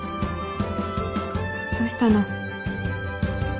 どうしたの？